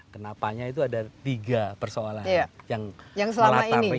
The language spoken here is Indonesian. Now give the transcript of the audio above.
kenapanya itu ada tiga persoalan yang melatari